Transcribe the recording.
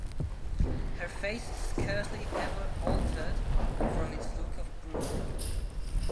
Her face scarcely ever altered from its look of brooding.